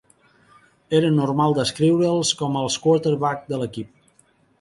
Era normal descriure'ls com els "quarterback" de l'equip.